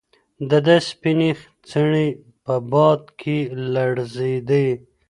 د ده سپینې څڼې په باد کې لړزېدې.